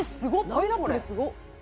パイナップルすごっ！」